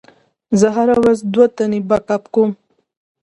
زه هره ورځ دوتنې بک اپ کوم.